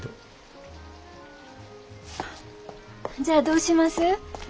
じゃあどうします？